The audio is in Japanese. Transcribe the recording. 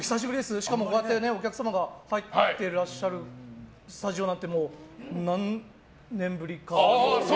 しかも、こうやってお客様が入っているスタジオなんて何年ぶりか。